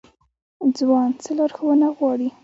ځوان څه لارښوونه غواړي؟